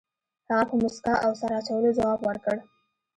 هغه په موسکا او سر اچولو ځواب ورکړ.